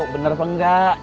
bener apa enggak